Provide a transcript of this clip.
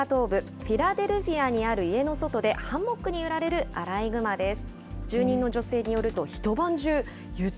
続いてはアメリカ東部フィラデルフィアにある家の外でハンモックに揺られるアライグマです。